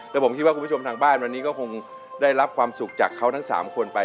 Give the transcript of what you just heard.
แต่ผมคิดว่าคุณผู้ชมทางบ้านวันนี้ก็คงได้รับความสุขจากเขาทั้ง๓คนไป